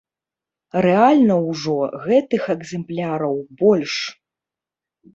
Рэальна ўжо гэтых экземпляраў больш.